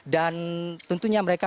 dan tentunya mereka